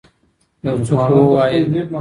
يو څه خو ووايه!